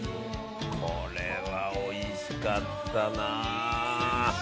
これはおいしかったな。